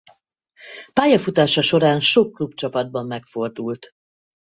Pályafutása során sok klubcsapatban megfordult.